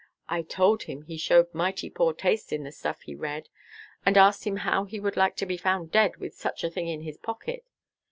I told him he showed mighty poor taste in the stuff he read; and asked him how he would like to be found dead with such a thing in his pocket.